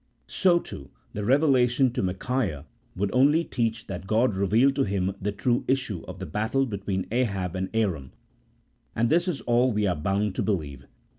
So, too, the revelation to Micaiah would only teach that God revealed to him the true issue of the battle between Ahab and Aram ; and this is all we are bound to believe.